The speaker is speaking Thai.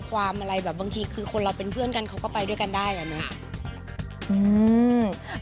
ความอะไรแบบบางทีคือคนเราเป็นเพื่อนกันเขาก็ไปด้วยกันได้อ่ะเนอะ